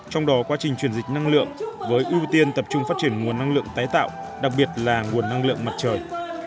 trong đó quá trình chuyển dịch năng lượng với ưu tiên tập trung phát triển nguồn năng lượng tái tạo đặc biệt là nguồn năng lượng mặt trời